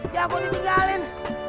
ya aku ditinggalin